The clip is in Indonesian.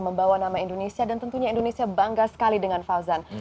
membawa nama indonesia dan tentunya indonesia bangga sekali dengan fauzan